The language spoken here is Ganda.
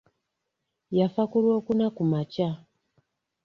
Yafa ku olwokuna kumakya.